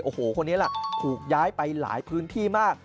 โอ้โหคนนี้ล่ะถูกย้ายไปหลายพื้นที่มาก